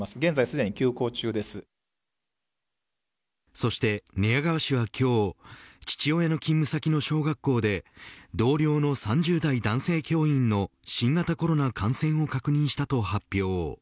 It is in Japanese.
そして寝屋川市は今日父親の勤務先の小学校で同僚の３０代男性教員の新型コロナ感染を確認したと発表。